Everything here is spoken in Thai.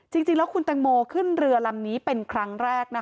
จริงแล้วคุณแตงโมขึ้นเรือลำนี้เป็นครั้งแรกนะคะ